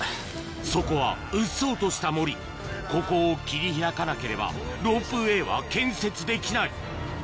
そこはうっそうとした森ここを切り開かなければロープウエーは建設できない